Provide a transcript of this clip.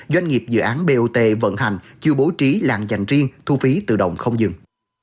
doanh nghiệp dự án bot vận hành chưa bố trí làng dành riêng thu phí tự động không dừng